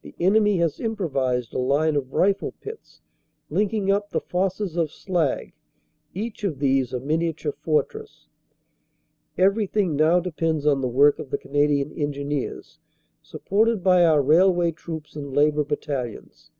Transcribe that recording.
The enemy has improvised a line of rifle pits, linking up the "fosses" of slag, each of these a miniature fortress. WELCOME TO THE DELIVERER 375 Everything now depends on the work of the Canadian Engineers, supported by our Railway Troops and Labor Bat talions.